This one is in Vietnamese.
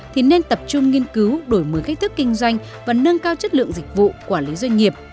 thì nên tập trung nghiên cứu đổi mới cách thức kinh doanh và nâng cao chất lượng dịch vụ quản lý doanh nghiệp